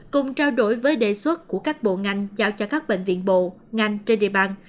cùng trao đổi với đề xuất của các bộ ngành giao cho các bệnh viện bộ ngành trên địa bàn